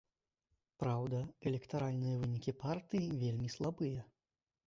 Праўда, электаральныя вынікі партыі вельмі слабыя.